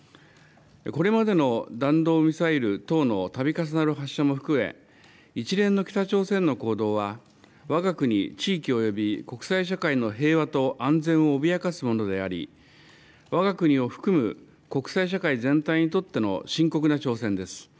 これまでの弾道ミサイル等のたび重なる発射も含め、一連の北朝鮮の行動は、わが国地域および国際社会の平和と安全を脅かすものであり、わが国を含む国際社会全体にとっての深刻な挑戦です。